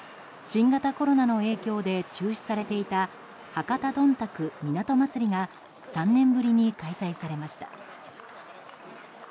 新型コロナの影響で中止されていた博多どんたく港まつりが３年ぶりに開催されました。